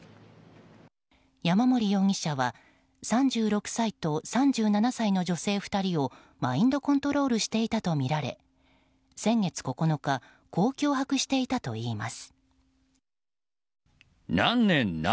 山森容疑者は３６歳と３７歳の女性２人をマインドコントロールしていたとみられ先月９日こう脅迫していたといいます。